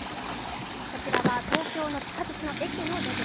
こちらは東京の地下鉄の駅の出口。